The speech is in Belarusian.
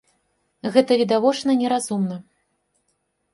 Гэта відавочна не разумна.